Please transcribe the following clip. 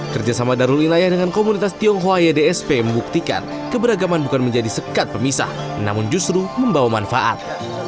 kerjasama darul inlayah dengan komunitas tionghoa ydsp membuktikan keberagaman bukan menjadi sekat pemisah namun justru membawa manfaat